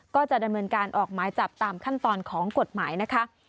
ก็จะดำเนินการออกหมายจับตามขั้นตอนของกฎหมายนะคะ